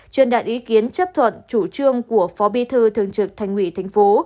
truyền đạt ý kiến chấp thuận chủ trương của phó bí thư thường trực thành ủy thành phố